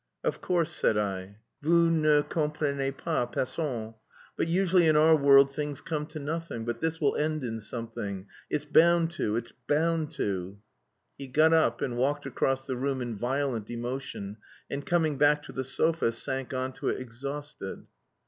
"Of course," said I. "Vous ne comprenez pas. Passons. But... usually in our world things come to nothing, but this will end in something; it's bound to, it's bound to!" He got up, and walked across the room in violent emotion, and coming back to the sofa sank on to it exhausted.